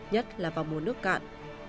nhất là vào mùa nước cạn